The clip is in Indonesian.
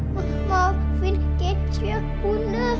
maafin kecoh bunda